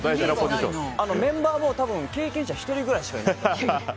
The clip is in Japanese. メンバーも多分経験者が１人くらいしかいなくて。